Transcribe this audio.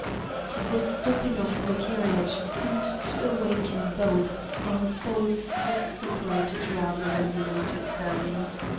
The stopping of the carriage seemed to awaken both from thoughts that separated rather than united them.